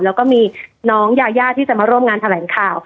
แล้วก็มีน้องยายาที่จะมาร่วมงานแถลงข่าว